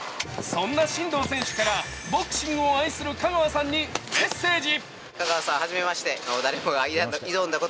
そんな真道選手からボクシングを愛する香川さんにメッセージ。